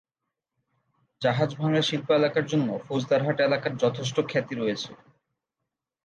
জাহাজ ভাঙ্গা শিল্প এলাকার জন্য ফৌজদারহাট এলাকার যথেষ্ট খ্যাতি রয়েছে।